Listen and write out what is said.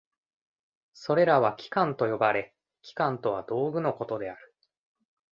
それらは器官と呼ばれ、器官とは道具のことである。